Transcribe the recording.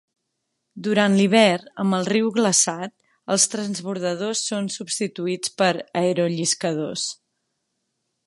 Durant l'hivern, amb el riu glaçat, els transbordadors són substituïts per aerolliscadors.